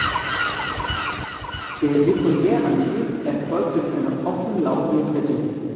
Der Sekundärantrieb erfolgt durch eine offen laufende Kette.